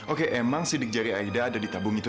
oke emang sidik jari aida ada di tabung itu